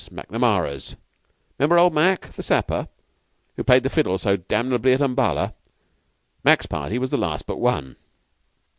Macnamara's 'member old Mac, the Sapper, who played the fiddle so damnably at Umballa? Mac's party was the last but one.